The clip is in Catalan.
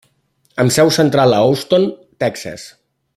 Amb seu central a Houston, Texas.